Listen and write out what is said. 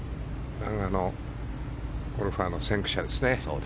南アのゴルファーの先駆者ですね。